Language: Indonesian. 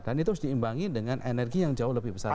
dan itu harus diimbangi dengan energi yang jauh lebih besar lagi